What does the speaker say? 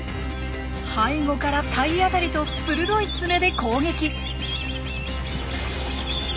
背後から体当たりと鋭い爪で攻撃！